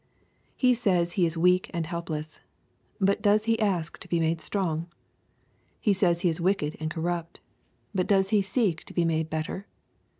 He says he is " weak and helpless." But does he ask to be made strong ?— He says he is " wicked and corrupt." But does he seek to be made better